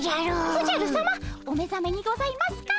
おじゃるさまお目ざめにございますか。